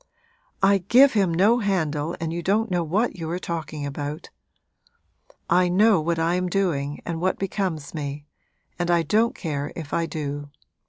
'I give him no handle and you don't know what you are talking about! I know what I am doing and what becomes me, and I don't care if I do.